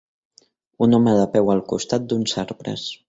Un home de peu al costat d'uns arbres.